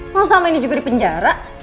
kau sama ini juga di penjara